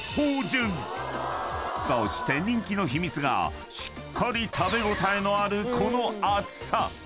［そして人気の秘密がしっかり食べ応えのあるこの］